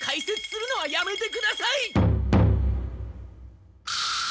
するのはやめてください！